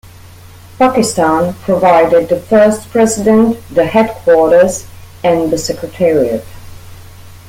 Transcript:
Pakistan provided the first president, the headquarters, and the secretariat.